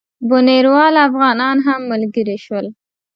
بُنیروال افغانان هم ملګري شول.